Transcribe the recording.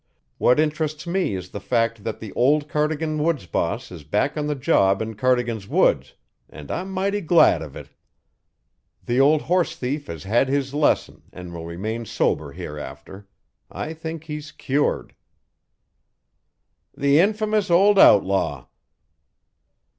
What interests me is the fact that the old Cardigan woods boss is back on the job in Cardigan's woods, and I'm mighty glad of it. The old horsethief has had his lesson and will remain sober hereafter. I think he's cured." "The infamous old outlaw!"